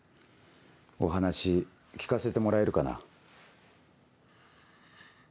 お話聞かせてもらえるかな？